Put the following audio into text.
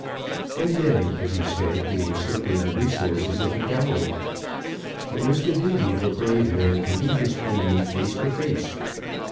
And then, as he said, they were simply the resources of a coward. It was the duty of a brave man to meet his enemy face to face.